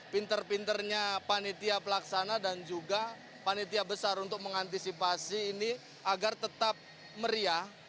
pinter pinternya panitia pelaksana dan juga panitia besar untuk mengantisipasi ini agar tetap meriah